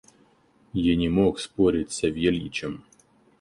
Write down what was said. Я не мог спорить с Савельичем.